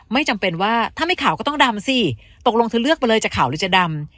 ไม่จำเป็นว่าถ้าไม่ขาวก็ต้องดำสิตกลงเธอเลือกไปเลยจะขาวหรือจะดำ